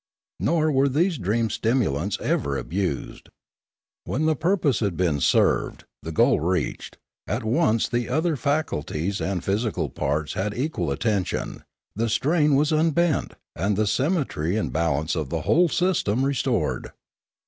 Nor were these dream stimulants ever abused; when the purpose had been served, the goal reached, at once the other faculties and physical parts had equal attention ; i the strain was unbent, and the symmetry and bal ance of the whole system restored.